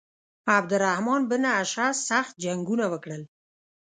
عبدالرحمن بن اشعث سخت جنګونه وکړل.